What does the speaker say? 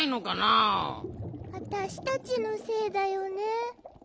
あたしたちのせいだよね。